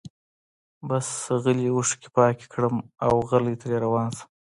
بس غلي اوښکي پاکي کړم اوغلی ترې روان شم